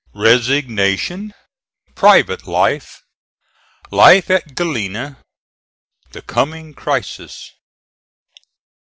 RESIGNATION PRIVATE LIFE LIFE AT GALENA THE COMING CRISIS.